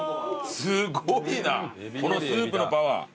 すごいなこのスープのパワー。